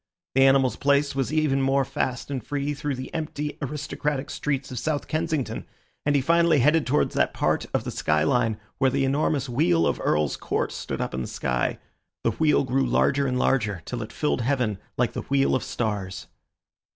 The animal's pace was even more fast and free through the empty, aristocratic streets of South Kensington, and he finally headed towards that part of the sky line where the enormous Wheel of Earl's Court stood up in the sky. The wheel grew larger and larger, till it filled heaven like the wheel of stars.